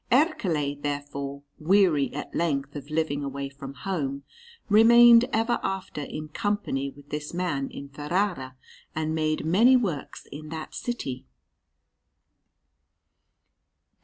Ercole, therefore, weary at length of living away from home, remained ever after in company with this man in Ferrara, and made many works in that city.